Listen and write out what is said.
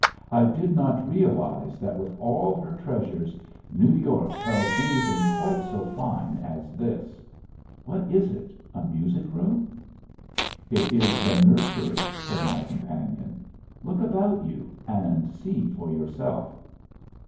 "I did not realize that with all her treasures New York held anything quite so fine as this. What is it, a music room?" "It is the nursery," said my companion. "Look about you and see for yourself."